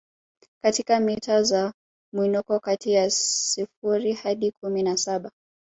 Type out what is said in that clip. katika mita za mwinuko kati ya sifuri hadi kumi na saba